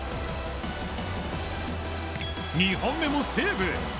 ２本目もセーブ。